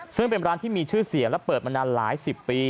ซึ่งเป็นร้านที่มีชื่อเสียงและเปิดมานานหลายสิบปี